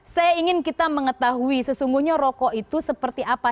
saya ingin kita mengetahui sesungguhnya rokok itu seperti apa